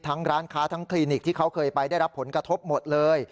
ร้านค้าทั้งคลินิกที่เขาเคยไปได้รับผลกระทบหมดเลย